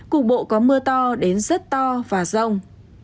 cục bộ có mưa to đến rất to và rông